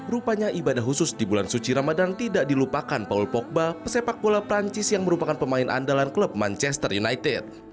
rupanya ibadah khusus di bulan suci ramadan tidak dilupakan paul pogba pesepak bola perancis yang merupakan pemain andalan klub manchester united